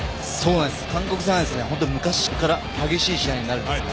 韓国戦は昔から激しい試合になるんです。